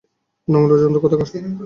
নোংরা জন্তু কোথাকার!